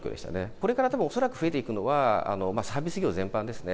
これからたぶん、恐らく増えていくのは、サービス業全般ですね。